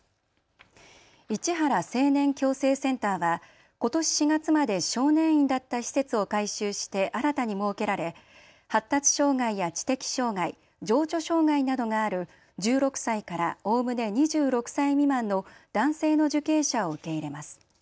市原青年矯正センターはことし４月まで少年院だった施設を改修して新たに設けられ発達障害や知的障害、情緒障害などがある１６歳からおおむね２６歳未満の男性の受刑者を受け入れます。